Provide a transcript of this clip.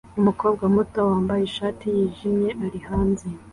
Umukobwa muto wambaye ishati yijimye ari hanze